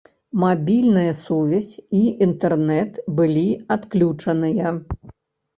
Мабільная сувязь і інтэрнэт былі адключаныя.